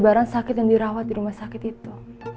barang sakit yang dirawat di rumah sakit itu